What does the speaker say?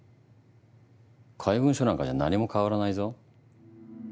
怪文書なんかじゃ何も変わらないぞ。